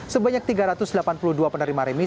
sebanyak tiga ratus delapan puluh dua penerima remis